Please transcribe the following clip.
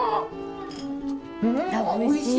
おいしい。